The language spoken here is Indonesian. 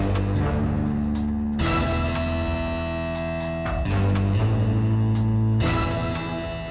oh kecil banget